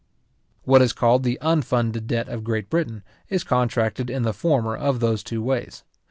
What is called the unfunded debt of Great Britain, is contracted in the former of those two ways.